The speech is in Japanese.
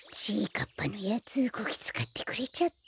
かっぱのやつこきつかってくれちゃって。